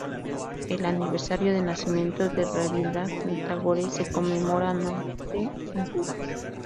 El aniversario de nacimiento de Rabindranath Tagore se conmemora anualmente en Cuba.